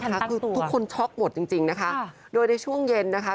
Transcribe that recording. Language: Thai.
คือทุกคนช็อกหมดจริงนะคะโดยในช่วงเย็นนะคะ